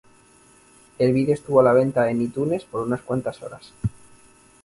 El vídeo estuvo a la venta en iTunes por unas cuantas horas.